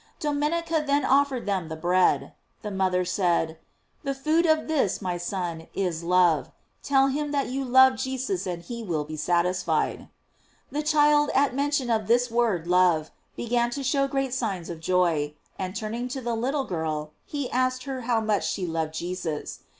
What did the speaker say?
Domenica then offered them the bread. The mother said: "The food of this my Son is love; tell him that you love Jesus and he will be satisfied." The child at mention of this word love, began to show great signs of joy, and turning to the little girl, he asked her how much she loved Jesus.